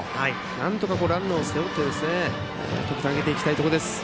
なんとか、ランナーを背負って得点を挙げていきたいところです。